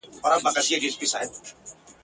د رنګینو کلماتو تر اغېز لاندي راغلي وي !.